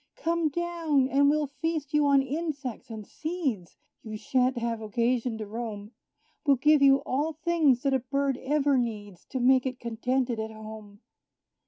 Come down, and we'll feast you on insects and seeds; You sha'nt have occasion to roam We'll give you all things that a bird ever needs, To make it contented at home.